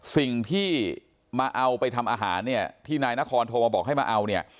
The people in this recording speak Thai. สิ่งที่มาเอาไปทำอาหารเนี่ยที่นายนครโทรมาบอกให้มาเอาเนี่ย